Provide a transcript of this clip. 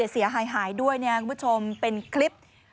เสียหายด้วยนะครับคุณผู้ชมเป็นคลิป